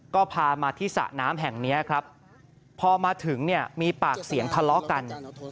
ก็พามาที่สระน้ำแห่งนี้ครับพอมาถึงเนี่ยมีปากเสียงทะเลาะกัน